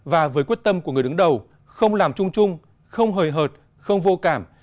và với quyết tâm của người đứng đầu không làm chung chung không hời hợt không vô cảm